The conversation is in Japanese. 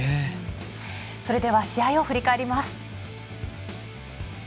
それでは試合を振り返ります。